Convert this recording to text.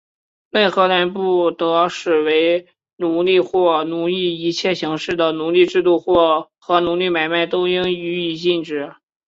任何人不得使为奴隶或奴役;一切形式的奴隶制度和奴隶买卖,均应予以禁止。